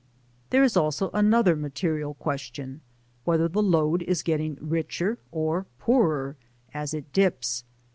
There is also another material question, — whether the lode is getting richer or poorer as it dips